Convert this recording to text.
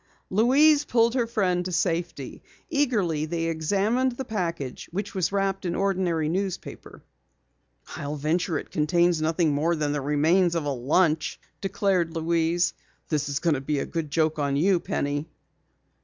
Louise pulled her friend to safety. Eagerly they examined the package which was wrapped in ordinary newspaper. "I'll venture it contains nothing more than the remains of a lunch," declared Louise. "This is going to be a good joke on you, Penny."